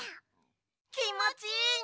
きもちいいね！